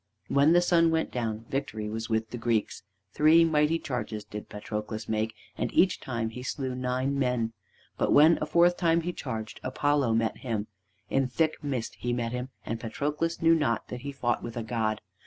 When the sun went down, victory was with the Greeks. Three mighty charges did Patroclus make, and each time he slew nine men. But when, a fourth time, he charged, Apollo met him. In thick mist he met him, and Patroclus knew not that he fought with a god.